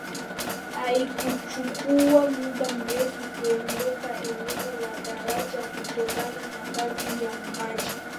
Haikuchukuwa muda mrefu kuondoka eneo la daraja kutokana na kasi ya maji